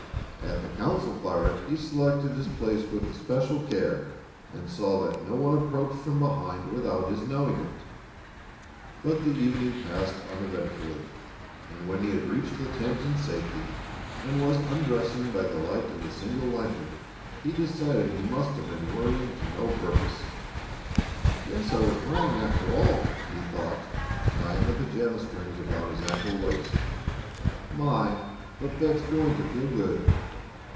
At the council fire he selected his place with especial care, and saw that no one approached from behind without his knowing it. But the evening passed uneventfully, and when he had reached the tent in safety and was undressing by the light of the single lantern, he decided he must have been worrying to no purpose. "Guess I was wrong after all," he thought, tying the pajama strings about his ample waist. "My, but bed's going to feel good!"